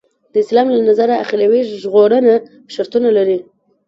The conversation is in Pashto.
د اسلام له نظره اخروي ژغورنه شرطونه لري.